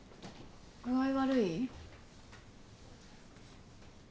具合悪い？